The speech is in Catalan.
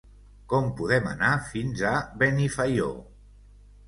Com podem anar fins a Benifaió?